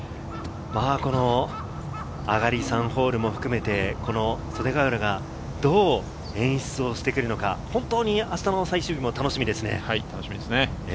上がり３ホールを含めて袖ヶ浦がどう演出をしてくるのか、本当に明日の最終日も楽しみですね。